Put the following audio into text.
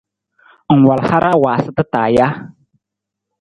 Ng wal hara waasata taa ja?